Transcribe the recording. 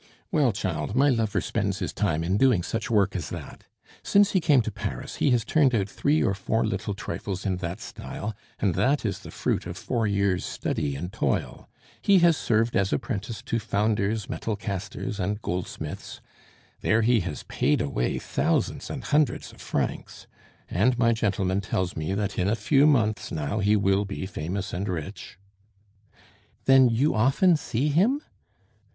Well, child, my lover spends his time in doing such work as that. Since he came to Paris he has turned out three or four little trifles in that style, and that is the fruit of four years' study and toil. He has served as apprentice to founders, metal casters, and goldsmiths. There he has paid away thousands and hundreds of francs. And my gentleman tells me that in a few months now he will be famous and rich " "Then you often see him?"